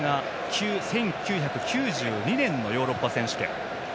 １９９２年のヨーロッパ選手権。